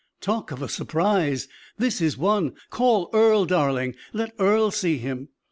Talk of a surprise! this is one! Call Earle, darling! let Earle see him."